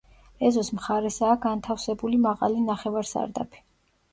ეზოს მხარესაა განთავსებული მაღალი ნახევარსარდაფი.